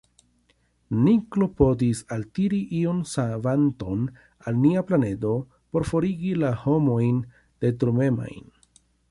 Ni klopodis altiri iun savanton al nia planedo por forigi la homojn detrumemajn.